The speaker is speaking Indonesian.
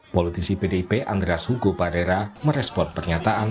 politisi pdip andras hugo barera merespon pernyataan